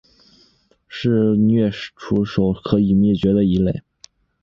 是鬣齿兽科已灭绝的一类。